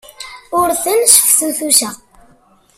Ur ten-sseftutuseɣ.